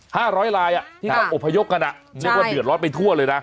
ห้าร้อยลายอ่ะที่เราอบพยพกันอ่ะเรียกว่าเดือดร้อนไปทั่วเลยนะ